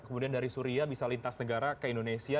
kemudian dari suria bisa lintas negara ke indonesia